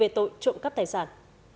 trộm cắp tài sản